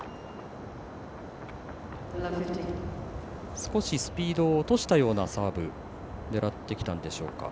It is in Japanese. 少しスピードを落としたようなサーブ狙ってきたんでしょうか。